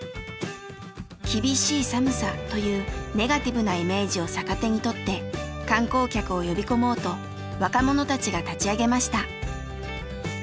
「厳しい寒さ」というネガティブなイメージを逆手にとって観光客を呼び込もうと若者たちが立ち上げました。